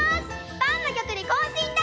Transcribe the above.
パンのきょくでこうしんだ！